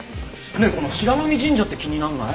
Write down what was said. ねえこの白波神社って気にならない？